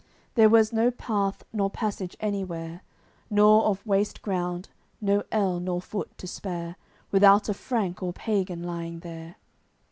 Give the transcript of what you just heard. There was no path nor passage anywhere Nor of waste ground no ell nor foot to spare Without a Frank or pagan lying there.